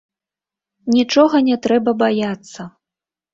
Нічога не трэба баяцца.